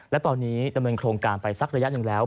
และตอนนี้ดำเนินโครงการไปสักระยะหนึ่งแล้ว